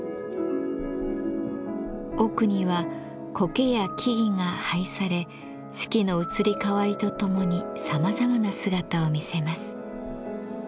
奥にはこけや木々が配され四季の移り変わりとともにさまざまな姿を見せます。